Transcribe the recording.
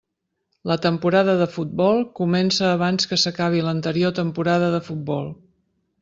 La temporada de futbol comença abans que s'acabi l'anterior temporada de futbol.